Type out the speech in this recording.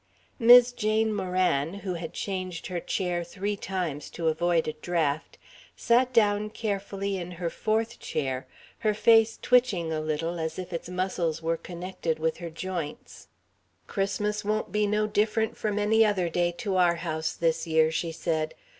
Mis' Jane Moran, who had changed her chair three times to avoid a draught, sat down carefully in her fourth chair, her face twitching a little as if its muscles were connected with her joints. "Christmas won't be no different from any other day to our house this year," she said.